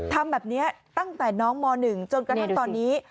ทำแบบนี้ตั้งแต่น้องม๑จนกระทั่งตอนนี้